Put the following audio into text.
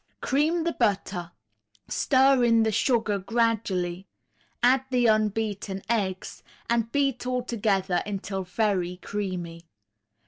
Cream the butter, stir in the sugar gradually, add the unbeaten eggs, and beat all together until very creamy.